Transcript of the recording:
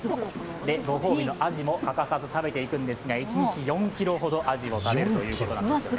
ご褒美のあじも欠かさず食べていくんですが、一日４ｋｇほどあじを食べるということですね。